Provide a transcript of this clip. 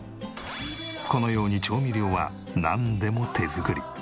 このように調味料はなんでも手作り。